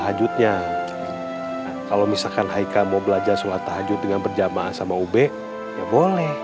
tahajudnya kalau misalkan hai kamu belajar sholat tahajud dengan berjamaah sama ube boleh